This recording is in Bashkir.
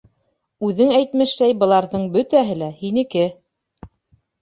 Үҙен әйтмешләй, быларҙың бөтәһе лә — һинеке.